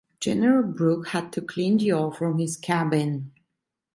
General Brooke had to clean the oil from his cabin.